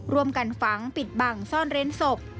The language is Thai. ร่วมกันฝังปิดบังซ่อนเร้นศพ